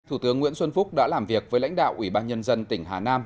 thủ tướng nguyễn xuân phúc đã làm việc với lãnh đạo ủy ban nhân dân tỉnh hà nam